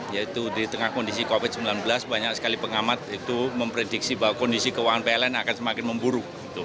yaitu di tengah kondisi covid sembilan belas banyak sekali pengamat itu memprediksi bahwa kondisi keuangan pln akan semakin memburuk